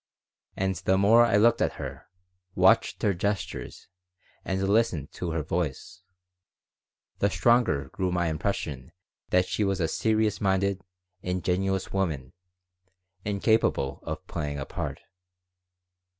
And the more I looked at her, watched her gestures, and listened to her voice, the stronger grew my impression that she was a serious minded, ingenuous woman, incapable of playing a part.